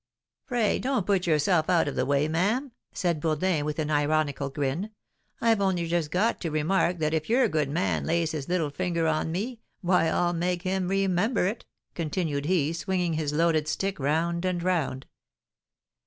"Pray don't put yourself out of the way, ma'am," said Bourdin, with an ironical grin. "I've only just got to remark that if your good man lays his little finger on me, why I'll make him remember it," continued he, swinging his loaded stick round and round.